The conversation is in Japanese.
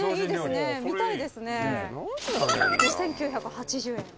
５，９８０円。